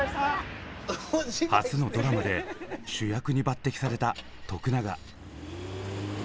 初のドラマで主役に抜てきされた永。